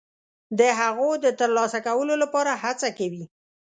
د هغو د ترلاسه کولو لپاره هڅه کوي.